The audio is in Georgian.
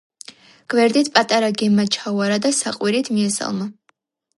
გვერდით პატარა გემმა ჩაუარა და საყვირით მიესალმა.